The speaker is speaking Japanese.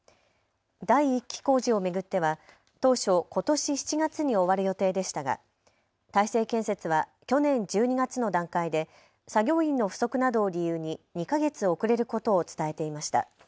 第１期工事を巡っては当初、ことし７月に終わる予定でしたが大成建設は去年１２月の段階で作業員の不足などを理由に２か月遅れることを伝えていました。